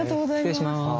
失礼します。